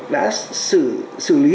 đã xử lý